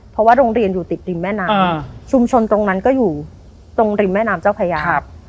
เพราะว่าโรงเรียนอยู่ติดริมแม่น้ำชุมชนตรงนั้นก็อยู่ตรงริมแม่น้ำเจ้าพญา